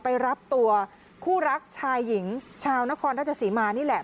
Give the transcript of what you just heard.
ไปรับตัวคู่รักชายหญิงชาวนครราชสีมานี่แหละ